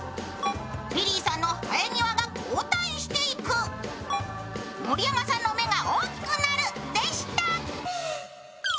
リリーの生え際が後退していく、盛山さんの目が大きくなるでした。